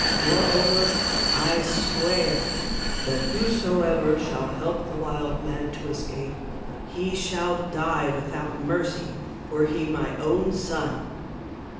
Moreover, I swear that whosoever shall help the wild man to escape, he shall die without mercy, were he my own son."